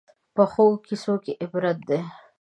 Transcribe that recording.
پخو کیسو کې عبرت وي